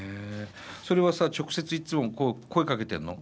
それはさ直接いつも声かけてるの？